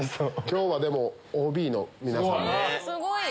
今日はＯＢの皆さんも。